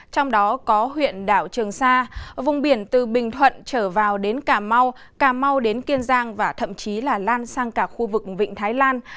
trong đó có huyện đảo trường sa vùng biển từ bình thuận trở vào đến cà mau cà mau đến kiên giang và thậm chí là lan sang cả khu vực vịnh thái lan